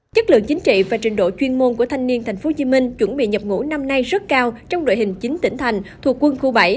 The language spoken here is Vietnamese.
chất lượng chính trị và trình độ chuyên môn của thanh niên tp hcm chuẩn bị nhập ngũ năm nay rất cao trong đội hình chín tỉnh thành thuộc quân khu bảy